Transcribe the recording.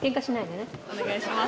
お願いします。